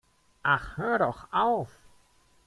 Ach, hör doch auf!